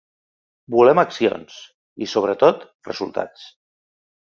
Volem accions i, sobretot, resultats.